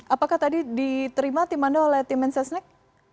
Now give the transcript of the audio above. apakah tadi diterima tim anda oleh tim mensesnek